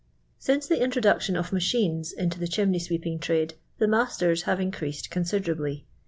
Since the introiiiution of mathines int'> tiie chiiniify swiepiiig trade the masters have in creased coufiderahly.